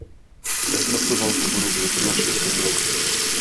Poté pracoval v oboru informačních technologií.